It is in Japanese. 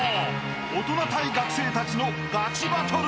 大人対学生たちのガチバトル］